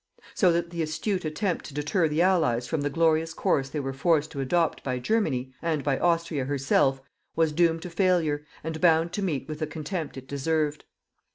So that the astute attempt to deter the Allies from the glorious course they were forced to adopt by Germany, and by Austria herself, was doomed to failure, and bound to meet with the contempt it deserved.